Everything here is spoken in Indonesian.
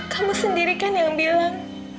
kamu sendiri kan yang bilang